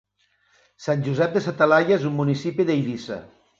Sant Josep de sa Talaia és un municipi d'Eivissa.